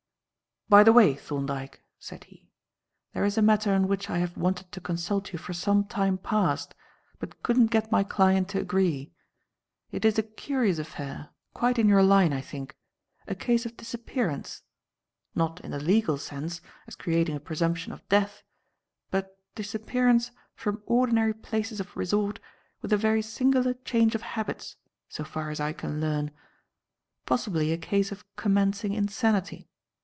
"By the way, Thorndyke," said he, "there is a matter on which I have wanted to consult you for some time past, but couldn't get my client to agree. It is a curious affair; quite in your line, I think; a case of disappearance not in the legal sense, as creating a presumption of death, but disappearance from ordinary places of resort with a very singular change of habits, so far as I can learn. Possibly a case of commencing insanity.